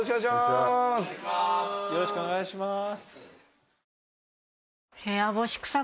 よろしくお願いします。